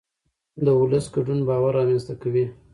د ولس ګډون باور رامنځته کوي